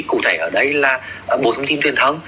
cụ thể ở đây là bộ thông tin truyền thông